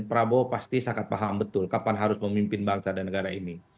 prabowo pasti sangat paham betul kapan harus memimpin bangsa dan negara ini